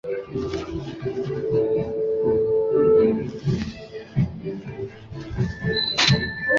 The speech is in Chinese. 后来由于纳粹政府上台流亡至法国。